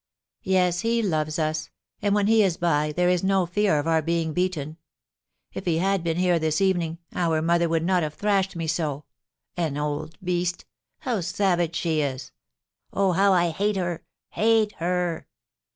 "Yes, he loves us; and, when he is by, there is no fear of our being beaten. If he had been here this evening, our mother would not have thrashed me so. An old beast! How savage she is! Oh, how I hate her hate her!